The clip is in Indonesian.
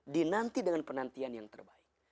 dinanti dengan penantian yang terbaik